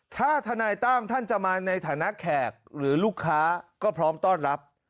ถ้าทนายตั้มท่านจะมาในฐานะแขกหรือลูกค้าก็พร้อมต้อนรับ